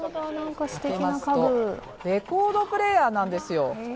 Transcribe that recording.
開けますと、レコードプレーヤーなんですよ。